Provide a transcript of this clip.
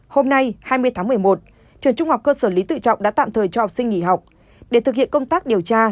hôm nay hai mươi tháng một mươi một trường trung học cơ sở lý tự trọng đã tạm thời cho học sinh nghỉ học để thực hiện công tác điều tra